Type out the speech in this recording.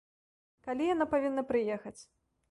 Калі яна павінна прыехаць?